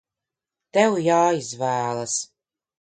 Tev jāizvēlas!